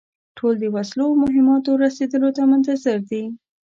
ټول د وسلو او مهماتو رسېدلو ته منتظر دي.